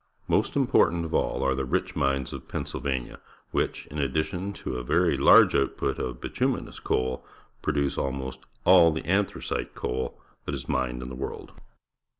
Most important of all are the rich mines of Penn mili'ania, which, in addition to a very large oiIfput"C)f bitimiinous coal, produce ahnost all the anthracite coal that is mined in the world.